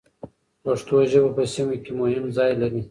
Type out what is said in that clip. پښتو ژبه په سیمه کې مهم ځای لري.